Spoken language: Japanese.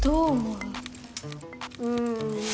うん。